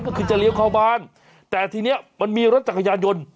ก็คือจะเลี้ยวเข้าบ้านแต่ทีนี้มันมีรถจักรยานยนต์